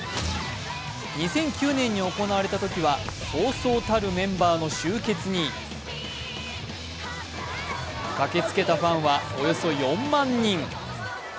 ２００９年に行われたときはそうそうたるメンバーの集結に駆けつけたファンは、およそ４万人。